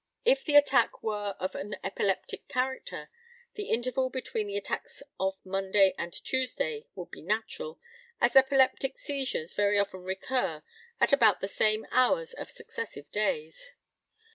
If the attack were of an epileptic character, the interval between the attacks of Monday and Tuesday would be natural, as epileptic seizures very often recur at about the same hours of successive days.